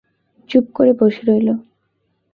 চুপ করে বসে রইল।